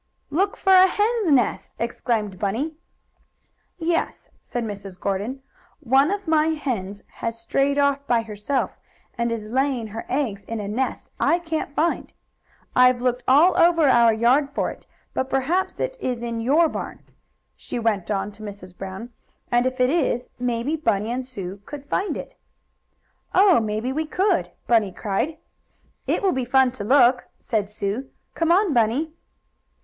"Look for a hen's nest!" exclaimed Bunny. "Yes," said Mrs. Gordon. "One of my hens has strayed off by herself and is laying her eggs in a nest I can't find. I've looked all over our yard for it, but perhaps it is in your barn," she went on to Mrs. Brown. "And if it is, maybe Bunny and Sue could find it." "Oh, maybe we could!" Bunny cried. "It will be fun to look!" said Sue. "Come on, Bunny."